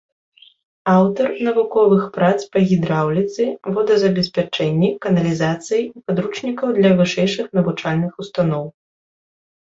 Аўтар навуковых прац па гідраўліцы, водазабеспячэнні, каналізацыі і падручнікаў для вышэйшых навучальных устаноў.